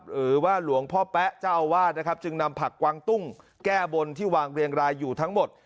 หรือว่าหลวงพ่อแป๊ะเจ้าอาวาสนะครับจึงนำผักกวางตุ้งแก้บนที่วางเรียงรายอยู่ทั้งหมด